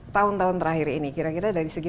tahun tahun terakhir ini kira kira dari segi